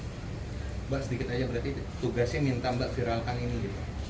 mbak sedikit aja berarti tugasnya minta mbak viralkan ini gitu